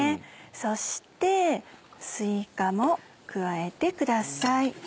そしてすいかも加えてください。